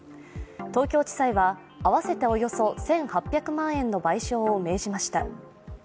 東京地裁は合わせておよそ１８００万円の賠償を明示ました。